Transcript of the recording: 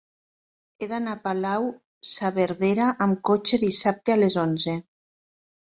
He d'anar a Palau-saverdera amb cotxe dissabte a les onze.